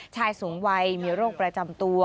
ชายสูงวัยมีโรคประจำตัว